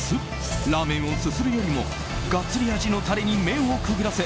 ラーメンをすするよりもガッツリ味のタレに麺をくぐらせ